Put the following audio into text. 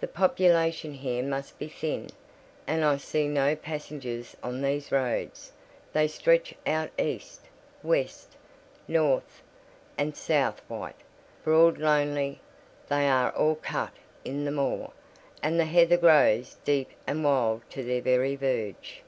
The population here must be thin, and I see no passengers on these roads: they stretch out east, west, north, and south—white, broad, lonely; they are all cut in the moor, and the heather grows deep and wild to their very verge.